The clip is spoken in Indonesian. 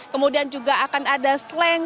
kemudian juga akan ada slang